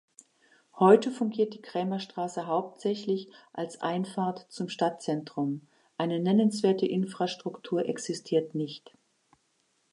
Heute fungiert die Krämerstraße hauptsächlich als Einfahrt zum Stadtzentrum, eine nennenswerte Infrastruktur existiert nicht.